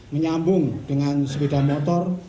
menyambung dengan sepeda motor